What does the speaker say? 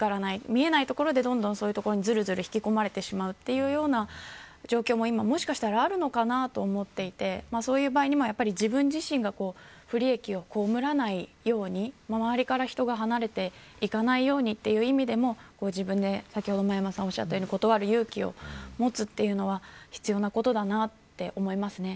見えないところでどんどんそういうところにずるずる引き込まれてしまうという状況ももしかしたらあるのかなと思っていてそういう場合は自分自身が不利益をこうむらないように周りから人が離れていかないようにという意味でも自分で断る勇気をもつというのが必要なことだと思いますね。